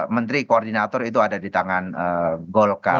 menteri koordinator itu ada di tangan golkar